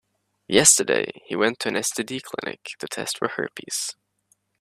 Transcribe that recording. Yesterday, he went to an STD clinic to test for herpes.